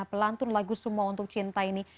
pelantun lagu semua untuk cinta ini